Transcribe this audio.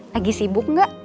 lagi sibuk gak